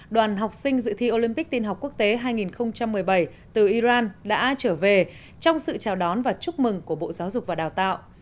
đoàn học sinh dự thi olympic tiên học quốc tế hai nghìn một mươi bảy từ iran đã trở về trong sự chào đón và chúc mừng của bộ giáo dục và đào tạo